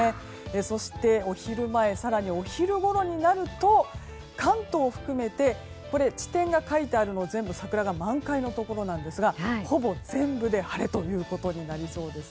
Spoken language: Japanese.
そして、お昼前更にお昼ごろになると関東含めて地点が書いてあるのは全部桜が満開のところなんですがほぼ全部で晴れとなりそうです。